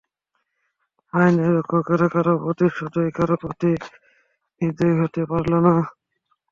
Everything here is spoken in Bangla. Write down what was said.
আইনের রক্ষকেরা কারও প্রতি সদয়, কারও প্রতি নির্দয় হতে পারেন না।